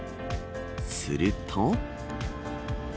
すると。